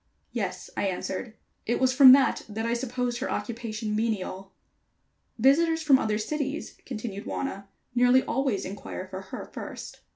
"Yes," I answered. "It was from that that I supposed her occupation menial." "Visitors from other cities," continued Wauna, "nearly always inquire for her first."